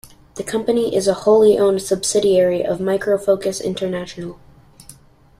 The company is a wholly owned subsidiary of Micro Focus International.